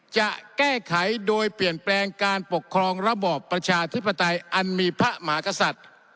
จะแก้ไขโดยเปลี่ยนแปลงการปกครองระบอบประชาธิปไตยอันมีพระมหากษัตริย์